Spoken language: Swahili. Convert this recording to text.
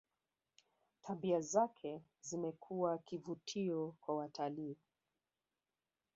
tabia zake zimekuwa kivutio kwa watalii